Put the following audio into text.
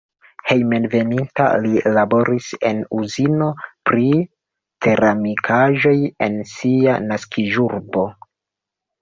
Hejmenveninta li laboris en uzino pri ceramikaĵoj en sia naskiĝurbo.